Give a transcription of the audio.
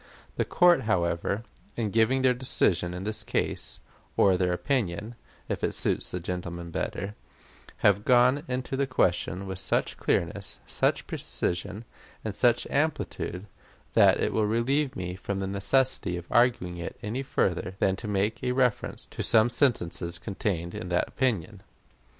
The court, however, in giving their decision in this case or their opinion, if it suits gentlemen better have gone into the question with such clearness, such precision, and such amplitude, that it will relieve me from the necessity of arguing it any further than to make a reference to some sentences contained in that opinion.